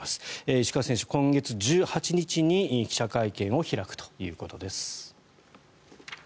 石川選手、今月１８日に記者会見を開くということです。